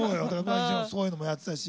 そういうのもやってたし。